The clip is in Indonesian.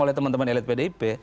oleh teman teman elit pdip